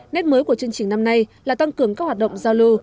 nét mới của chương trình năm nay là tăng cường các hoạt động giao lưu